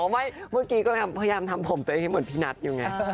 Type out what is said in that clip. ไม่เมื่อกี้ก็พยายามทำผมตัวเองให้เหมือนพี่นัทอยู่ไง